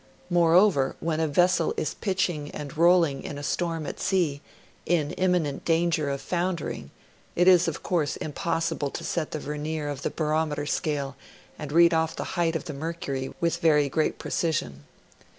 Moreover, when a vessel is pitching and rolling in a storm at sea, in imminent danger of foundering, it is, of course, impossible to set the vernier of the barometer scale and read oJ0f the height of the mercury with very great precision.